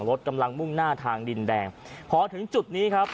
รถกำลังมุ่งหน้าทางดินแดงพอถึงจุดนี้ครับ